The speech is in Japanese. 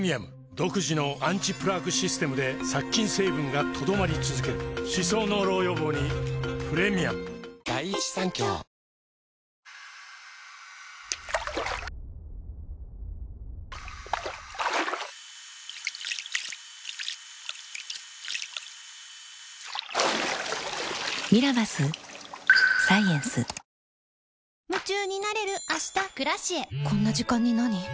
独自のアンチプラークシステムで殺菌成分が留まり続ける歯槽膿漏予防にプレミアムこんな時間になに？